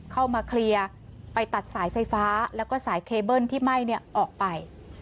เข้ามาเคลียร์ไปตัดสายไฟฟ้าแล้วก็สายเคเบิ้ลที่ไหม้ออกไป